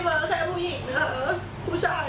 ไม่รู้จักใคร